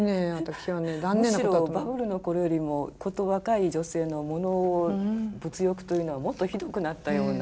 むしろバブルの頃よりも殊若い女性の物欲というのはもっとひどくなったような。